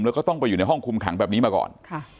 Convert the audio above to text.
แล้วก็ต้องไปอยู่ในห้องคุมขังแบบนี้มาก่อน